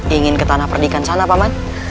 ingin ke tanah perdikan sana paman